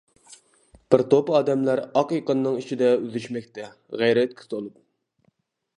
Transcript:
بىر توپ ئادەملەر ئاق ئېقىننىڭ ئىچىدە ئۈزۈشمەكتە غەيرەتكە تولۇپ.